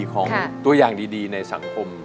ของตัวอย่างดีในสังคม